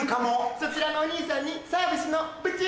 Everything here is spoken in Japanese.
そちらのお兄さんにサービスのプチュ！